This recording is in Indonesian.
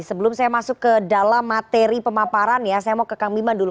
sebelum saya masuk ke dalam materi pemaparan ya saya mau ke kang bima dulu